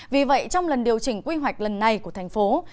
vì vậy trong lần điều chỉnh quy hoạch lần này của tp hcm